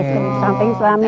di samping suami